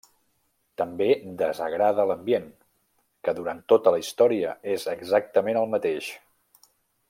També desagrada l'ambient, que durant tota la història és exactament el mateix.